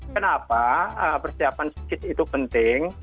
kenapa persiapan skit itu penting